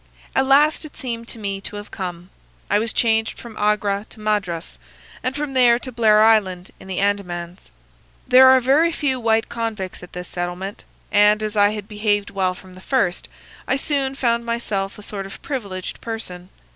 "At last it seemed to me to have come. I was changed from Agra to Madras, and from there to Blair Island in the Andamans. There are very few white convicts at this settlement, and, as I had behaved well from the first, I soon found myself a sort of privileged person.